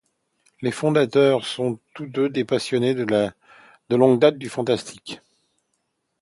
Leurs fondateurs sont tous deux des passionnés de longue date du fantastique.